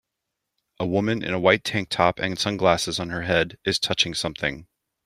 A woman in a white tank top and sunglasses on her head is touching something.